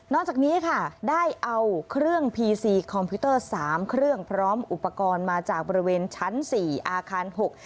จากนี้ค่ะได้เอาเครื่องพีซีคอมพิวเตอร์สามเครื่องพร้อมอุปกรณ์มาจากบริเวณชั้นสี่อาคารหก